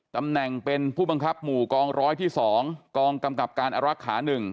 ตำแหน่งเป็นผู้บังคับหมู่กองร้อยที่๒กองกำกับการอรักษา๑